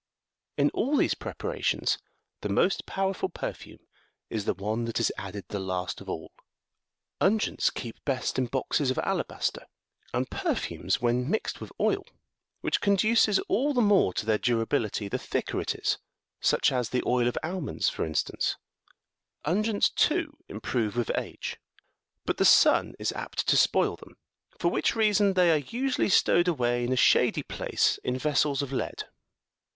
83" In all these preparations the most powerful perfume is the one that is added the last of all. Unguents keep best in boxes of ala baster,84 and perfumes85 when mixed with oil, which conduces all the more to their durability the thicker it is, such as the oil of almonds, for instance, tlnguents, too, improve with age ; but the sun is apt to spoil them, for which reason they are usually stowed away in a shady place in vessels of lead.